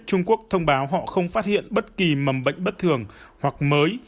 trung quốc thông báo họ không phát hiện bất kỳ mầm bệnh bất thường hoặc mới